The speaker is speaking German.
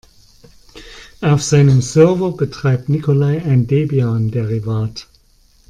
Auf seinem Server betreibt Nikolai ein Debian-Derivat.